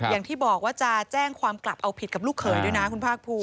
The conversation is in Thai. อย่างที่บอกว่าจะแจ้งความกลับเอาผิดกับลูกเขยด้วยนะคุณภาคภูมิ